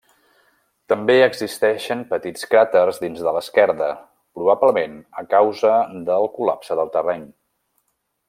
També existeixen petits cràters dins de l'esquerda, probablement a causa del col·lapse del terreny.